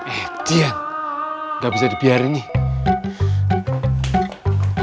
eh diam gak bisa dibiarin nih